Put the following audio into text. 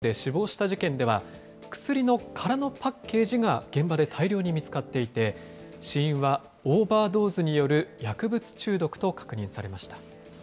先月、滋賀県で女子高校生が薬物中毒で死亡した事件では、薬の空のパッケージが現場で大量に見つかっていて、死因はオーバードーズによる薬物中毒と確認されました。